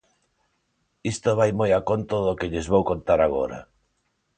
Isto vai moi a conto do que lles vou contar agora.